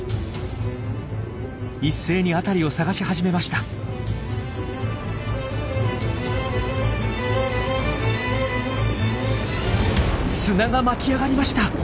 一斉に辺りを探し始めました。